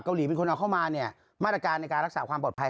หลีเป็นคนเอาเข้ามาเนี่ยมาตรการในการรักษาความปลอดภัย